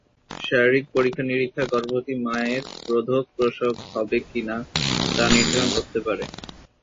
শারীরিক পরীক্ষা নিরীক্ষা গর্ভবতী মায়ের রোধক প্রসব হবে কিনা তা নির্ধারণ করতে পারে।